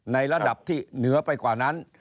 ในระดับที่เหนือไปกว่านั้น